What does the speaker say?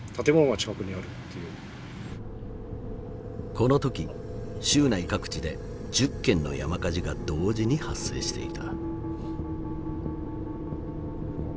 この時州内各地で１０件の山火事が同時に発生していた。